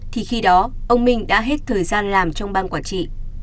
thì khi đó ông minh đã hết thời gian làm trong ban quản trị